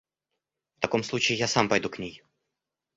В таком случае я сам пойду к ней.